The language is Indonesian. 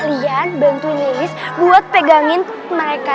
lian bantuin iblis buat pegangin mereka